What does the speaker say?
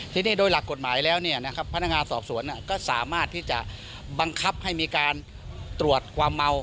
ทีนี้โดยหลักกฎหมายแล้วพนักงานสอบสวนก็สามารถที่จะบังคับให้มีการตรวจความเมา